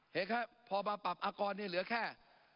เห็นครับพอมาปรับอากรเนี่ยเหลือแค่